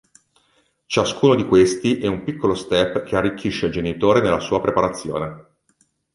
Ciascuno di questi è un piccolo step che arricchisce il genitore nella sua preparazione.